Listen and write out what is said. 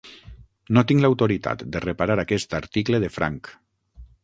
No tinc l'autoritat de reparar aquest article de franc.